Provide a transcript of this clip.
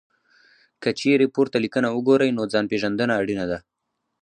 که چېرې پورته لیکنه وګورئ، نو ځان پېژندنه اړینه ده.